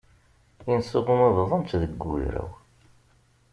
Inesɣuma bḍantt deg ugraw.